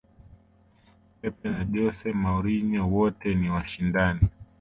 pep na jose mourinho wote ni washindani